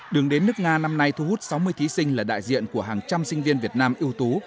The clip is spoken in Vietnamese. đường đến nước nga năm nay thu hút sáu mươi thí sinh là đại diện của hàng trăm sinh viên việt nam ưu tú